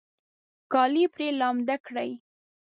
کالي پرې لامده کړئ